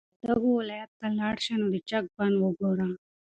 که د وردګو ولایت ته لاړ شې نو د چک بند وګوره.